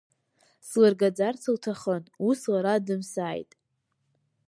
Слыргаӡарц лҭахын, ус лара дымсааит!